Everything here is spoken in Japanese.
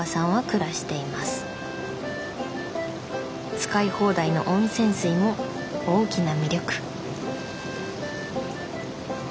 使い放題の温泉水も大きな魅力。